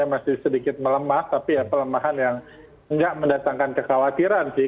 masih sedikit melemah tapi ya pelemahan yang nggak mendatangkan kekhawatiran sih